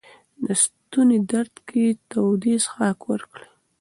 د ستوني درد کې تودې څښاک ورکړئ.